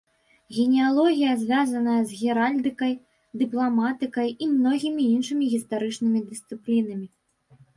Генеалогія звязаная з геральдыкай, дыпламатыкай і многімі іншымі гістарычнымі дысцыплінамі.